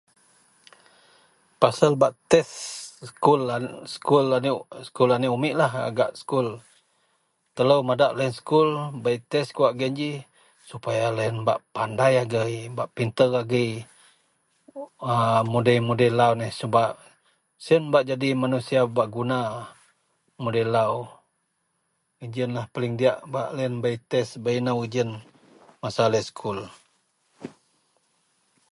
pasel bak test sekul, sekul aneak sekul aneak umeklah gak sekul, telou madak loyien sekul bei test kawak gien ji, supaya loyien pandai agei, pinter agei a mudei-mudei lau neh sebab siyen bak jadi manusia berguna mudei lau, geji ienlah paling diyak bak lau ien bei test, bei inou gejien masa loyien sekul